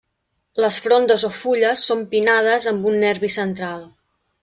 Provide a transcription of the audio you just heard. Les frondes o fulles són pinnades amb un nervi central.